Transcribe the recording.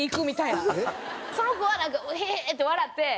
その子はなんか「ウヘヘ！」って笑って。